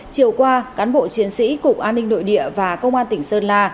chiều qua cán bộ chiến sĩ cục an ninh nội địa và công an tỉnh sơn la